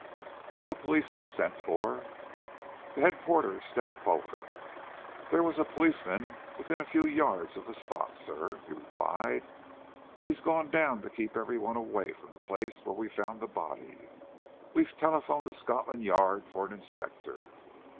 "Have the police been sent for?" The head porter stepped forward. "There was a policeman within a few yards of the spot, sir," he replied. "He's gone down to keep every one away from the place where we found the body. We've telephoned to Scotland Yard for an inspector."